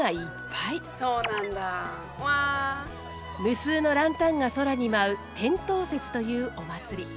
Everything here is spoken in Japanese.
無数のランタンが空に舞う天燈節というお祭り。